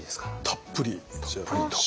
たっぷりと。